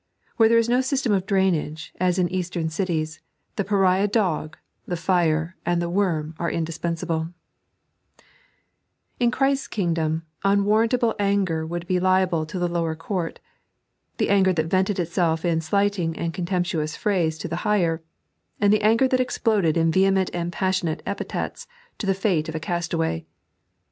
Where there is no system of drainage, as in Eastern cities, the pariah dog, the fire, and the worm, are In Christ's Kingdom, unwarrantable anger would be liable to the lower court, the anger that vented itself in slighting and contemptuous phrase to the higher, and the anger that exploded in vehement and passionate epithets to the fate of a castaway.